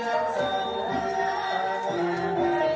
การทีลงเพลงสะดวกเพื่อความชุมภูมิของชาวไทย